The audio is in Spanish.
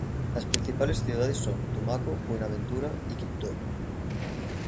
Las principales ciudades son Tumaco, Buenaventura y Quibdó.